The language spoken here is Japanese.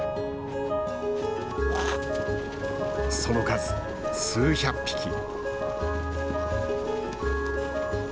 その数数百匹。